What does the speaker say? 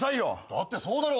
だってそうだろ。